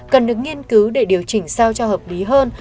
cần được nghiên cứu để điều chỉnh sao cho hợp lý hơn